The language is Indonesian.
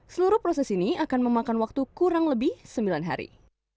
seluruh proses ini akan memakan waktu kurang lebih sembilan hari